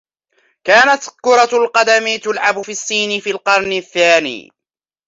كانت كرة القدم تُلعَبُ في الصين في القرن الثاني.